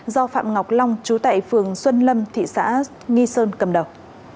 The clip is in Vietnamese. do phạm ngọc long chú tại phường xuân lâm thị xã nghi sơn cầm đầu